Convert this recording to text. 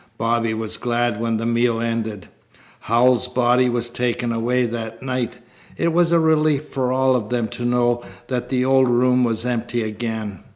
Bobby was glad when the meal ended. Howells's body was taken away that night. It was a relief for all of them to know that the old room was empty again.